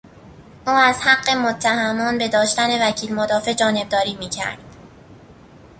او از حق متهمان به داشتن وکیل مدافع جانبداری میکرد.